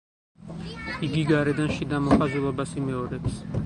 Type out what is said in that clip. იგი გარედან შიდა მოხაზულობას იმეორებს.